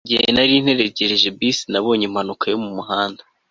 igihe nari ntegereje bisi, nabonye impanuka yo mu muhanda